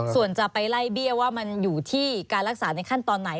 ส่วนจะไปไล่เบี้ยว่ามันอยู่ที่การรักษาในขั้นตอนไหน